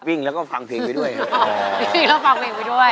วิ่งแล้วก็ฟังเพลงไปด้วย